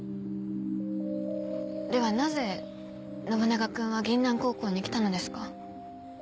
ではなぜ信長君は銀杏高校に来たのですか？